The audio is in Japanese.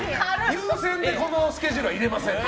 優先でこのスケジュールは入れません。